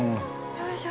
よいしょ。